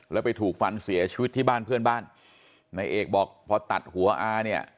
แล้วไปถูกฟันเสียชีวิตที่บ้านเพื่อนบ้านนายเอกบอกพอตัดหัวอาเนี่ย